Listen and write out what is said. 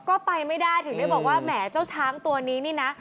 ก็ไปไม่ได้ถึงได้บอกว่าแหมเจ้าช้างตัวนี้นี่นะ